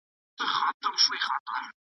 که څېړونکي خپلواک وي نو څېړنه يې علمي ده.